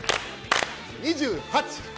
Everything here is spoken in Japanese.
２８。